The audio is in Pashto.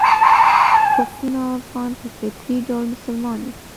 پښتون او افغان په فطري ډول مسلمان دي.